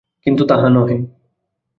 কিন্তু তাহা নহে।